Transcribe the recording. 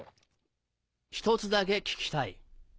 １つだけ聞きたい。